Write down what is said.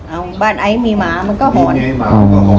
เอ้าบ้านไอซ์มีหมามันก็หอน